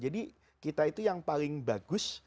jadi kita itu yang paling bagus